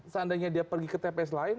seandainya dia pergi ke tps lain